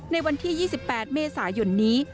ในวันที่๒๘เมษายนนี้